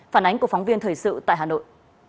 phản ánh của phóng viên thời sự tại hà nội